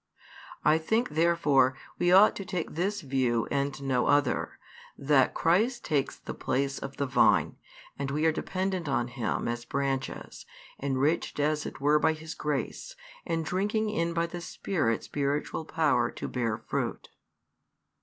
I think, therefore, we ought to take this view and no other, that Christ takes |367 the place of the vine, and we are dependent on Him as branches, enriched as it were by His grace, and drinking in by the Spirit spiritual power to bear fruit.